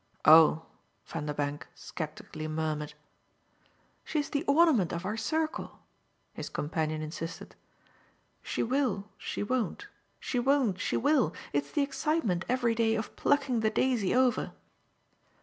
"Oh!" Vanderbank sceptically murmured. "She's the ornament of our circle," his companion insisted. "She will, she won't she won't, she will! It's the excitement, every day, of plucking the daisy over."